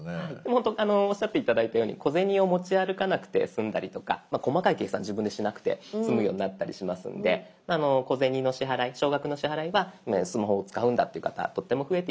ほんとにおっしゃって頂いたように小銭を持ち歩かなくて済んだりとか細かい計算自分でしなくて済むようになったりしますので小銭の支払い少額の支払いはスマホを使うんだって方とっても増えています。